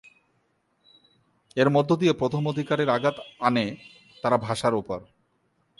এর মধ্য দিয়ে প্রথম অধিকারের আঘাত আনে তারা ভাষার উপর।